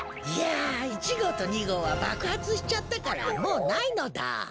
いや１ごうと２ごうはばくはつしちゃったからもうないのだ。